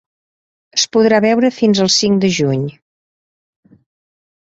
Es podrà veure fins el cinc de juny.